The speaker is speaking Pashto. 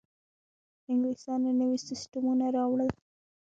انګلیسانو نوي سیستمونه راوړل.